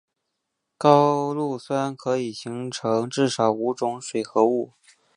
高氯酸可以形成至少五种水合物。